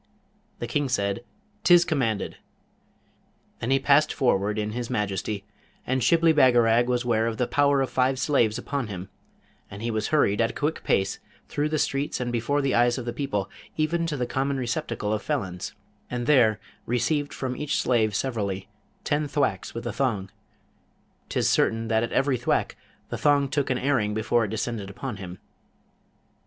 The King said, ''Tis commanded!' Then he passed forward in his majesty, and Shibli Bagarag was ware of the power of five slaves upon him, and he was hurried at a quick pace through the streets and before the eyes of the people, even to the common receptacle of felons, and there received from each slave severally ten thwacks with a thong: 'tis certain that at every thwack the thong took an airing before it descended upon him.